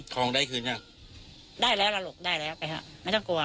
ของได้คืนยังได้แล้วล่ะลูกได้แล้วไปฮะไม่ต้องกลัว